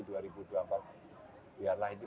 di dua ribu dua puluh empat biarlah ini